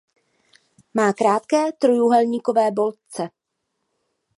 Má krátké trojúhelníkovité boltce.